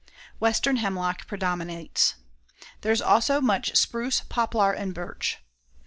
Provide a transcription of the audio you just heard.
Western hemlock predominates. There is also much spruce, poplar and birch.